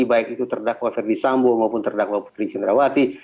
baik itu terdakwa ferdisambu maupun terdakwa putri jendrawati